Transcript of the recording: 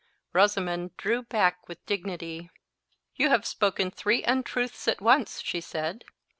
Rosamond drew back with dignity. "You have spoken three untruths at once," she said.